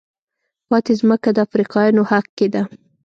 پاتې ځمکه د افریقایانو حق کېده.